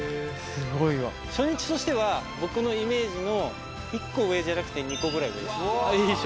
初日としては、僕のイメージの１個上じゃなくて２個ぐらい上。